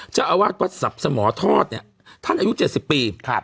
เจ้าอาวาสวัตรสัพสมทรทท่านอายุ๗๐ปี